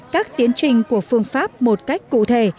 các tiến trình của phương pháp một cách cụ thể